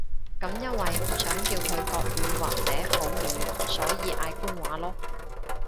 噉因為唔想叫佢國語或者普語，所以嗌官話囉